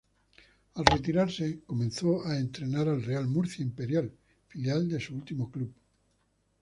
Al retirarse comenzó a entrenar al Real Murcia Imperial, filial de su último club.